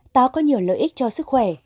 táo có nhiều lợi ích cho sức khỏe